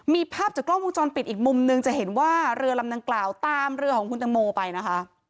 มีภาพจากกล้องวงจรปิดอีกมุมนึงจะเห็นว่าเรือลำดังกล่าวตามเรือของคุณตังโมไปนะคะ